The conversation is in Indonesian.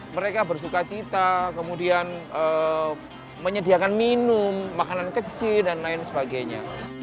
mereka bersuka cita kemudian menyediakan minum makanan kecil dan lain sebagainya